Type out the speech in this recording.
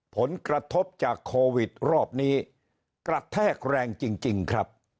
ผลกระทบจากโควิดรอบนี้กระแทกแรงจริงครับ